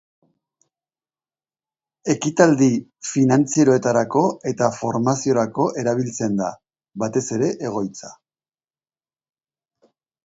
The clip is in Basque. Ekitaldi finantzierotarako eta formaziorako erabiltzen da, batez ere, egoitza.